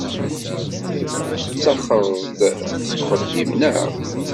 Tettaxred-d seg uxeddim, naɣ?